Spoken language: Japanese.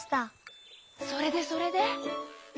それでそれで？